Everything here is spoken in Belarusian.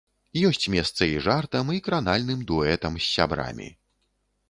Ёсць месца і жартам, і кранальным дуэтам з сябрамі.